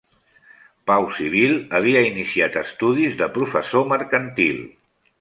Pau Civil havia iniciat estudis de professor mercantil.